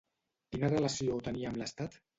Quina relació tenia amb l'estat?